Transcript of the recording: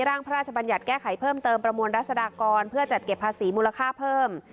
ร่างพระราชบัญญัติแก้ไขเพิ่มเติมประมวลรัศดากรเพื่อจัดเก็บภาษีมูลค่าเพิ่ม